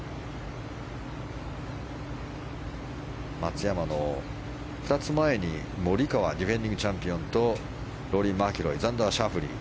松山の２つ前にモリカワディフェンディングチャンピオンとローリー・マキロイザンダー・シャフリー。